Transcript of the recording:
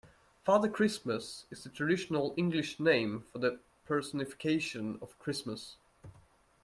Father Christmas is the traditional English name for the personification of Christmas